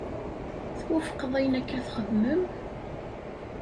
Twufqeḍ ayen akka txeddem?